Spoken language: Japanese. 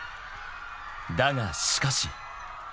［だがしかし］